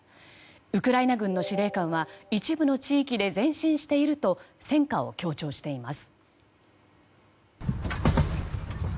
ウクライナ軍の司令官は一部の地域で前進していると戦果を強調しています。